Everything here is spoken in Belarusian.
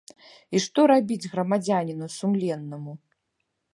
І што рабіць грамадзяніну сумленнаму?